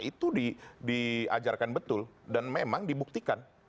itu diajarkan betul dan memang dibuktikan